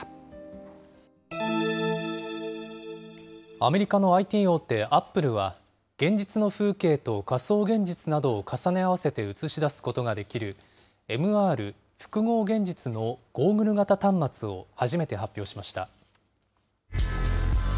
アメリカのＩＴ大手、アップルは、現実の風景と仮想現実などを重ね合わせて映し出すことができるＭＲ・複合現実のゴーグル型端末を初めて発表しました。